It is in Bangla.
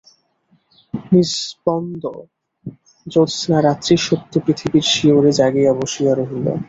নিষ্পন্দ জ্যোৎস্নারাত্রি সুপ্ত পৃথিবীর শিয়রে জাগিয়া বসিয়া রহিল।